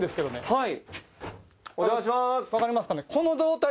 はい。